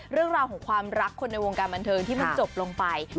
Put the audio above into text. เรื่องราวของความรักคนในวงการบันเทิงที่มันจบลงไป